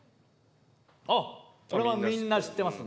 あっこれはみんな知ってますね。